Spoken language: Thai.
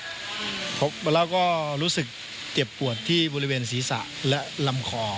แล้วก็รู้สึกเจ็บปวดที่บริเวณศีรษะและลำคอ